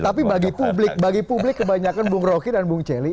tapi bagi publik bagi publik kebanyakan bung rocky dan bung celi